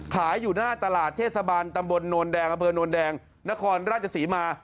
อยู่หน้าตลาดเทศบาลตำบลโนนแดงอำเภอโนนแดงนครราชศรีมา